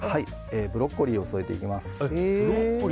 ブロッコリーを添えていきます。